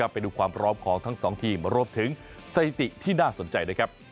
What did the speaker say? ไปดูความพร้อมของทั้งสองทีมรวมถึงสถิติที่น่าสนใจด้วยครับ